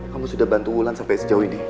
kamu sudah bantu wulan sampai sejauh ini